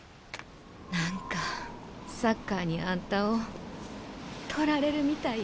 何かサッカーにあんたを取られるみたいやねえ。